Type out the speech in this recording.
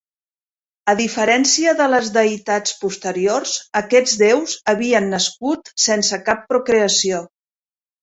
A diferència de les deïtats posteriors, aquests deus havien nascut sense cap procreació.